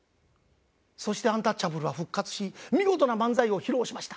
そしてアンタッチャブルは復活し見事な漫才を披露しました。